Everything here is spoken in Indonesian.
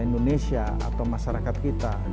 indonesia atau masyarakat kita